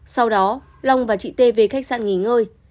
sau đó long và chị t về khách sạn nghỉ ngơi